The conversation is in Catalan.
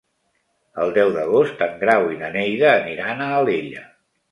El deu d'agost en Grau i na Neida aniran a Alella.